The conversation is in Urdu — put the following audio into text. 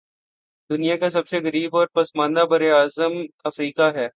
دنیا کا سب سے غریب اور پسماندہ براعظم افریقہ ہے